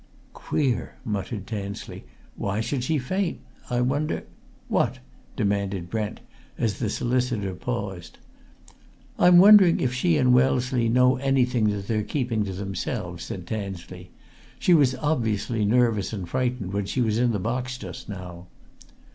"Queer!" muttered Tansley. "Why should she faint? I wonder " "What?" demanded Brent as the solicitor paused. "I'm wondering if she and Wellesley know anything that they're keeping to themselves," said Tansley. "She was obviously nervous and frightened when she was in that box just now."